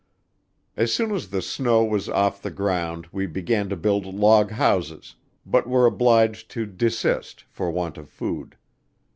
As soon as the snow was off the ground we began to build log houses, but were obliged to desist for want of food.